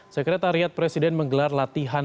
sekretariat presiden menggelar latihan